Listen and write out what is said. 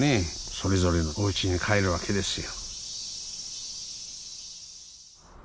それぞれのおうちに帰るわけですよ。